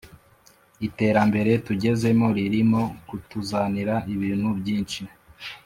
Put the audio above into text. iterambere tugezemo ririmo kutuzanira ibintu byinshi